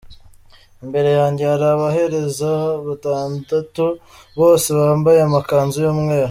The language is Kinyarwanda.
Imbere yanjye hari abahereza batandatu, bose bambaye amakanzu y’umweru.